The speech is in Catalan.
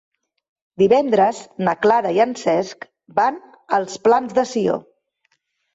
Divendres na Clara i en Cesc van als Plans de Sió.